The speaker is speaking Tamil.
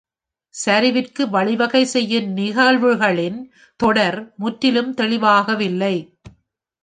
சரிவிற்கு வழிவகை செய்யும் நிகழ்வுகளின் தொடர் முற்றிலும் தெளிவாகவில்லை.